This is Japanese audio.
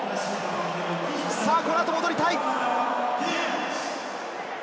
この後戻りたい。